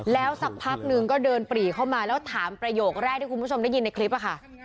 แล้วสักพักนึงก็เดินปรีเข้ามาแล้วถามประโยคแรกที่คุณผู้ชมได้ยินในคลิปค่ะ